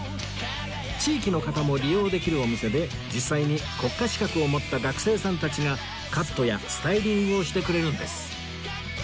地域の方も利用できるお店で実際に国家資格を持った学生さんたちがカットやスタイリングをしてくれるんです